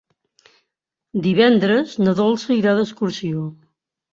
Divendres na Dolça irà d'excursió.